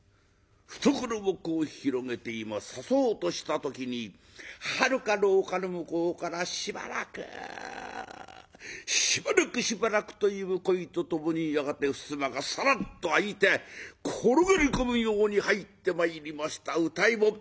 懐をこう広げて今刺そうとした時にはるか廊下の向こうから「しばらく！しばらくしばらく」という声とともにやがて襖がサラッと開いて転がり込むように入ってまいりました歌右衛門。